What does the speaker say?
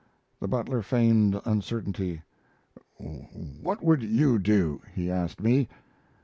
The butler feigned uncertainty. "What would you do?" he asked me.